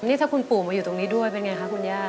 นี่ถ้าคุณปู่มาอยู่ตรงนี้ด้วยเป็นไงคะคุณย่า